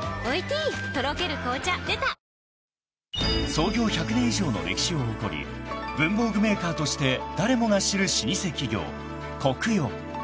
［創業１００年以上の歴史を誇り文房具メーカーとして誰もが知る老舗企業コクヨ］